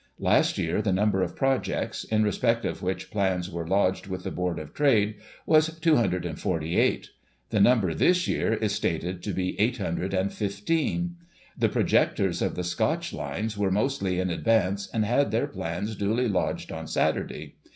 Last year, the number of projects, in respect of which plans were lodged with the Board of Trade, was 248 ; the number, this year, is stated to be 815. The projectors of the Scotch lines were mostly in advance, and had their plans duly lodged on Saturday.